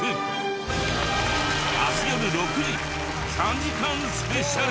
明日よる６時３時間スペシャル。